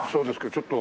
ちょっと。